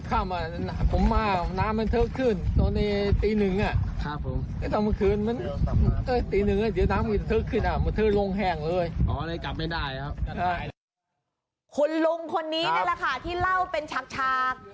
คุณลุงคนนี้นี่แหละค่ะที่เล่าเป็นฉาก